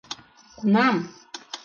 — Кунам?